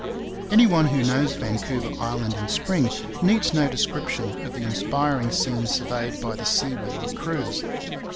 Any one who knows Vancouver Island in spring needs no description of the inspiring scene surveyed by the sea weary crews.